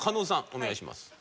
お願いします。